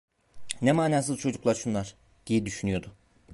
"Ne manasız çocuklar şunlar!" diye düşünüyordu.